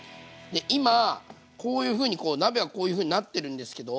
今こういうふうにこう鍋がこういうふうになってるんですけど。